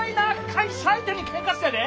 会社相手にケンカしたんやで！